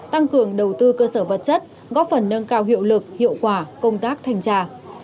tăng cường đầu tư cơ sở vật chất góp phần nâng cao hiệu lực hiệu quả công tác thanh tra